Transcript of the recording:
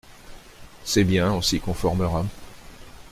C’est bien… on s’y conformera…